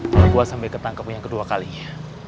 karena gue sampe ketangkap yang kedua kalinya